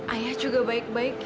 ayah juga baik baik